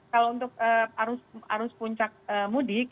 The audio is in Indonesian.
kalau untuk arus puncak mudik